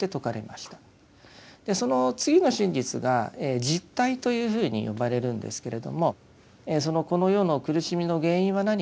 その次の真実が「集諦」というふうに呼ばれるんですけれどもこの世の苦しみの原因は何か。